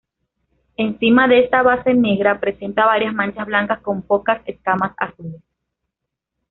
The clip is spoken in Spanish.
Encima de esta base negra presenta varias manchas blancas con pocas escamas azules.